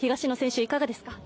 いかがですか？